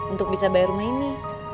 untuk bisa bayar rumah ini